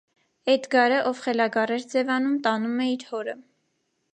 Էդգարը, ով խելագար էր ձևանում, տանում է իր հորը։